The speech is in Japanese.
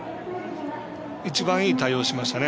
一番いい対応しましたね。